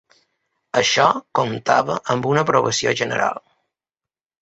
Això comptava amb una aprovació general.